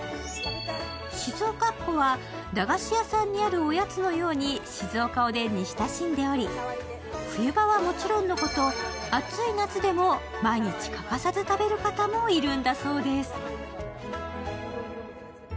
静岡っ子は駄菓子屋さんにあるおやつのように静岡おでんに親しんでおり、冬場はもちろんのこと、暑い夏でも毎日、欠かさず食べる方もいるんだそうです。